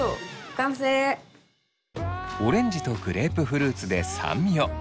オレンジとグレープフルーツで酸味を。